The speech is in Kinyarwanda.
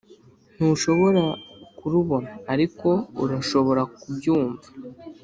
ntushobora kurubona ariko urashobora kubyumva